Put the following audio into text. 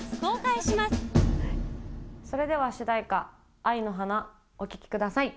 それでは主題歌「愛の花」お聴きください。